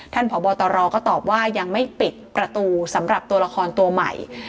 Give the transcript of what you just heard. พบตรก็ตอบว่ายังไม่ปิดประตูสำหรับตัวละครตัวใหม่